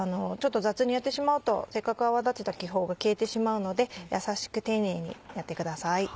ちょっと雑にやってしまうとせっかく泡立てた気泡が消えてしまうのでやさしく丁寧にやってください。